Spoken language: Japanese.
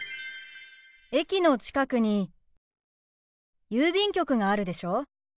駅の近くに郵便局があるでしょ。